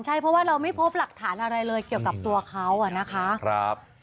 ใช่เพราะว่าเราไม่พบหลักฐานอะไรเลยเกี่ยวกับตัวเขาอ่ะนะคะ